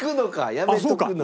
やめとくのか？